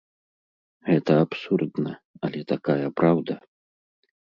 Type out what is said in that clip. Гэта абсурдна, але такая праўда.